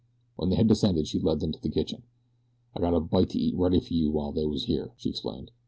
When they had descended she led them to the kitchen. "I got a bite to eat ready for you while they was here," she explained.